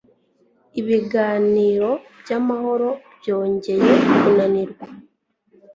Ibiganiro by’amahoro byongeye kunanirwa